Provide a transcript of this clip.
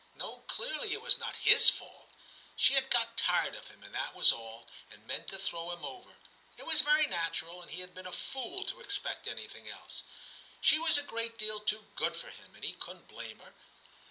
No, clearly it was not his fault ; she had got tired of him, that was all, and meant to throw him over ; it was very natural, and he had been a fool to expect anything else. She was a great deal too good for him, and he couldn't blame her.